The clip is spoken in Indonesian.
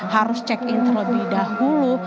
harus check in terlebih dahulu